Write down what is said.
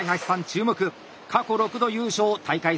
注目過去６度優勝大会